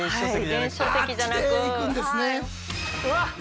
うわっ！